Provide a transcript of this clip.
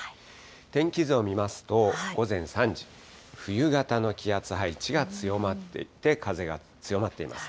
天気図を見ますと、午前３時、冬型の気圧配置が強まってきて、風が強まっています。